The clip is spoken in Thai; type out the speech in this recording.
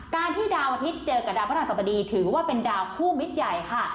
การที่ดาวอาทิตย์เจอกับดาวพระราชสบดีถือว่าเป็นดาวคู่มิตรใหญ่ค่ะ